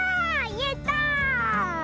やった！